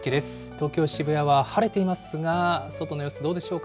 東京・渋谷は晴れていますが、外の様子どうでしょうか。